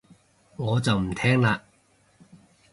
我就唔聽喇